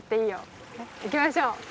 いきましょう。